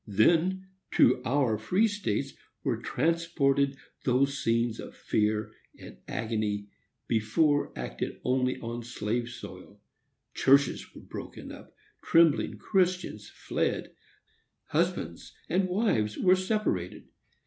Then to our free states were transported those scenes of fear and agony before acted only on slave soil. Churches were broken up. Trembling Christians fled. Husbands and wives were separated.